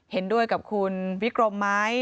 เห็นด้วยกับคุณวิกรมไหม